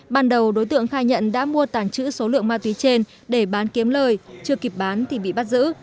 ban đầu đối tượng khai nhận đã mua tàng trữ số lượng ma túy trên để bán kiếm lời chưa kịp bán thì bị bắt giữ